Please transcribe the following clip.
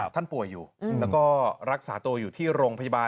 ท่านป่วยอยู่แล้วก็รักษาตัวอยู่ที่โรงพยาบาล